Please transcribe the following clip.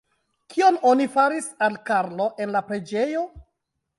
Kion oni faris al Karlo en la preĝejo?